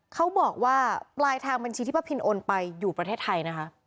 เขาบอกว่าปลายทางบัญชีที่ป้าพินโอนไปอยู่ประเทศไทยนะคะ